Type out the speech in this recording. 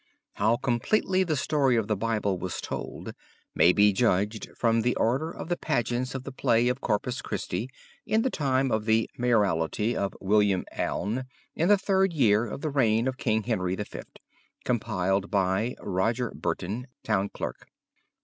How completely the story of the Bible was told may be judged from the order of the Pageants of the Play of Corpus Christi, in the time of the mayoralty of William Alne, in the third year of the reign of King Henry V., compiled by Roger Burton, town clerk.